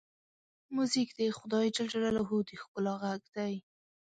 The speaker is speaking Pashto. موزیک د خدای د ښکلا غږ دی.